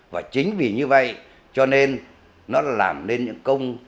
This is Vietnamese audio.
và chính vì như vậy cho nên nó làm nên những công